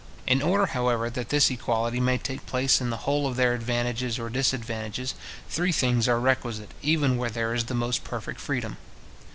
In order, however, that this equality may take place in the whole of their advantages or disadvantages, three things are requisite, even where there is the most perfect freedom.